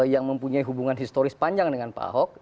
yang mempunyai hubungan historis panjang dengan pak ahok